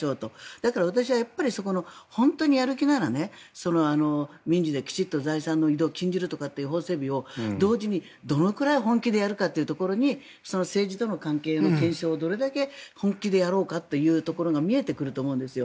だから、私は本当にやる気なら民事できちんと財産の移動を禁じるとかって法整備を同時に、どのくらい本気でやるかっていうところに政治との関係の検証をどれだけ本気でやろうかというところが見えてくると思うんですよ。